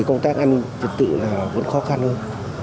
các anh thật tự là vẫn khó khăn hơn